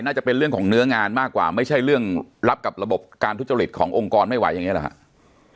น่าจะเป็นเรื่องของเนื้องานมากกว่าไม่ใช่เรื่องรับกับระบบการทุจริตขององค์กรไม่ไหวอย่างนี้หรอครับ